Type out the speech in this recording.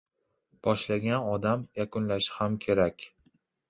• Boshlagan odam yakunlashi ham kerak.